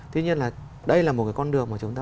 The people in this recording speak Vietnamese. tuy nhiên là đây là một cái con đường mà chúng ta